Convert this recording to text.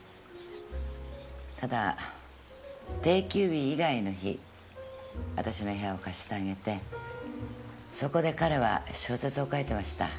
ただ定休日以外の日あたしの部屋を貸してあげてそこで彼は小説を書いてました。